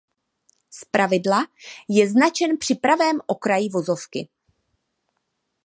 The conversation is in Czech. Zpravidla je značen při pravém okraji vozovky.